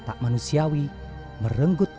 tak manusiawi merenggut